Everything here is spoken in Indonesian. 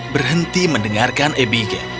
berhenti mendengarkan abigail